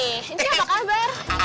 ini siapa kabar